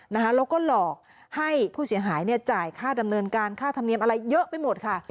แล้วก็หลอกให้ผู้เสียหายจ่ายค่าดำเนินการค่าธรรมเนียมอะไรเยอะไปหมดค่ะ